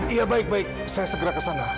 ya baik baik saya segera kesana